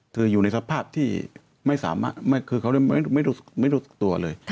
คืออยู่ในสภาพที่ไม่รู้สึกตัวเลย